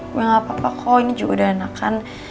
gue gak apa apa kok ini juga udah enakan